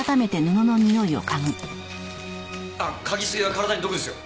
あっ嗅ぎすぎは体に毒ですよ。